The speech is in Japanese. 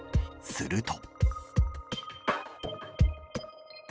すると。